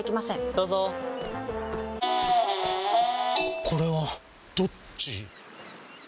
どうぞこれはどっち？